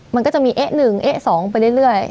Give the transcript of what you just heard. มันก็จะมีเอ๊ะ๑เอ๊ะ๒ไปเรื่อย